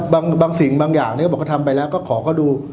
บางบางสิ่งบางอย่างเนี้ยก็บอกเขาทำไปแล้วก็ขอก็ดู